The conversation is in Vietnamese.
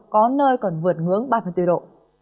có nơi cần vượt ngưỡng ba mươi bốn độ